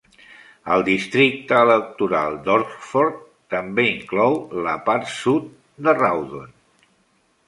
El districte electoral d'Horsforth també inclou la part sud de Rawdon.